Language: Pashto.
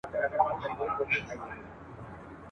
کله کله به هوا ته هم ختلې !.